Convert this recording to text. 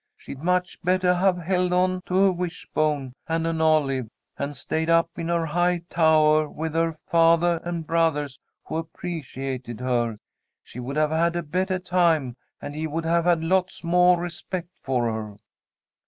She'd much bettah have held on to a wish bone and an olive and stayed up in her high towah with her fathah and brothahs who appreciated her. She would have had a bettah time and he would have had lots moah respect for her."